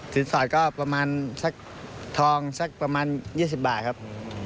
สอดก็ประมาณสักทองสักประมาณ๒๐บาทครับ